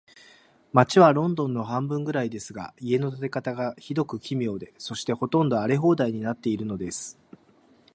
街はロンドンの半分くらいですが、家の建て方が、ひどく奇妙で、そして、ほとんど荒れ放題になっているのです。